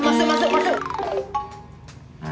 masuk masuk masuk